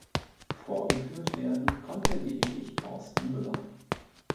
Vorgeführt werden konnte lediglich Thorsten Müller.